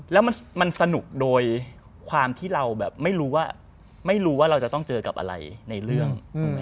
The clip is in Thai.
แล้วมันสนุกโดยความที่เราแบบไม่รู้ว่าไม่รู้ว่าเราจะต้องเจอกับอะไรในเรื่อง